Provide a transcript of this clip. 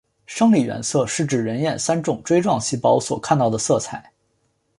生理原色指人眼三种锥状细胞所看到的色彩。